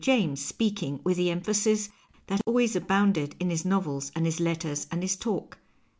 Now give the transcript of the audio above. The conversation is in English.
Tames speaking with the emphasis that always abounded in his novels and his letters and his talk.